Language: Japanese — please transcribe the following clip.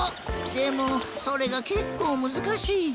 でもそれがけっこうむずかしい。